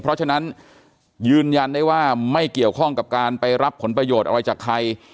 เพราะฉะนั้นยืนยันได้ว่าไม่เกี่ยวข้องกับการไปรับผลประโยชน์อะไรจากใคร